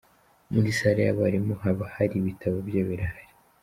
Muri Salle y’abarimu haba hari ibitabo byo birahari.